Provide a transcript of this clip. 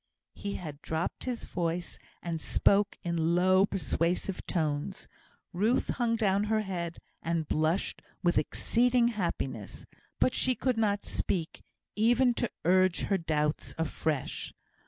He had dropped his voice; and spoke in low, persuasive tones. Ruth hung down her head, and blushed with exceeding happiness; but she could not speak, even to urge her doubts afresh.